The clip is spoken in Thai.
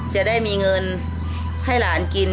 จะได้มีเงินให้หลานกิน